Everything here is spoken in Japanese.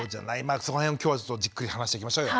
そこの辺も今日はじっくり話していきましょうよ。